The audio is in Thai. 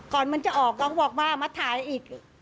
ก่อนมันจะออกเราก็บอกว่ามาถ่ายอีก